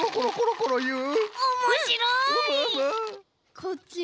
こっちは。